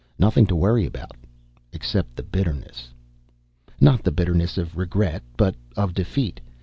Nothing to worry about, except the bitterness. Not the bitterness of regret, but of defeat.